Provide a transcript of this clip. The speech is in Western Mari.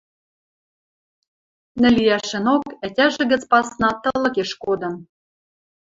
Нӹл иӓшӹнок ӓтяжӹ гӹц пасна тылыкеш кодын.